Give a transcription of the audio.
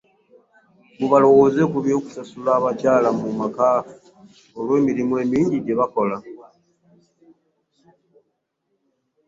Mbu balowooze ku ky'okusasula abakyala mu maka olw'emirimu emingi gye bakola